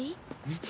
ん？